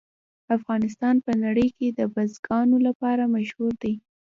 افغانستان په نړۍ کې د بزګانو لپاره مشهور دی.